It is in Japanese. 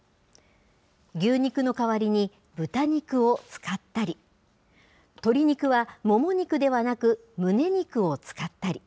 牛肉の代わりに豚肉を使ったり、鶏肉はもも肉ではなくむね肉を使ったり。